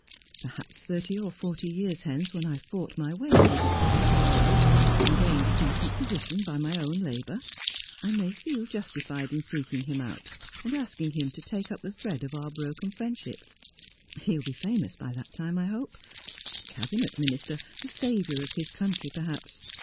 'Perhaps thirty or forty years hence, when I have fought my way through this difficult world, and gained a decent position by my own labour, I may feel justified in seeking him out, and asking him to take up the thread of our broken friendship. He will be famous by that time, I hope ; a Cabinet Minister, the saviour of his country, perhaps.